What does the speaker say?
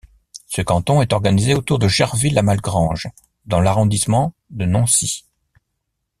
Ce canton est organisé autour de Jarville-la-Malgrange dans l'arrondissement de Nancy.